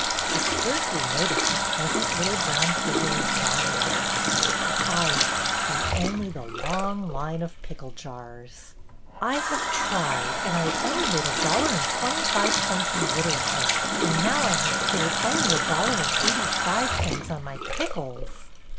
She scarcely noticed the pleasant little brown figure of Bob white; her eyes could see only the long line of pickle jars. BETTY «IN A PICKLE" 79 I have tried, and I have made only a dollar and twenty five cents in literature, and now I have cleared only a dollar and eighty five cents on my pickles."